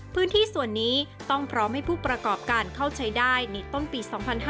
พื้นที่ส่วนนี้ต้องพร้อมให้ผู้ประกอบการเข้าใช้ได้ในต้นปี๒๕๕๙